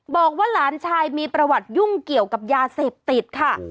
บอกว่าหลานชายมีประวัติยุ่งเกี่ยวกับยาเสพติดค่ะ